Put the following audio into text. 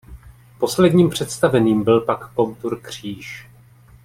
Posledním představeným byl pak komtur Kříž.